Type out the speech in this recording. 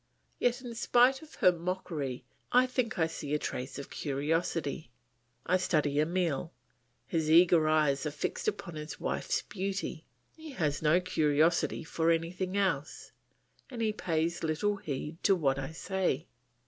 Yet in spite of her mockery, I think I see a trace of curiosity. I study Emile; his eager eyes are fixed upon his wife's beauty; he has no curiosity for anything else; and he pays little heed to what I say.